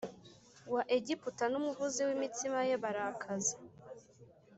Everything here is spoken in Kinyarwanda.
wa Egiputa n umuvuzi w imitsima ye barakaza